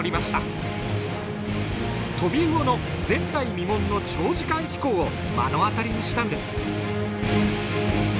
トビウオの前代未聞の長時間飛行を目の当たりにしたんです。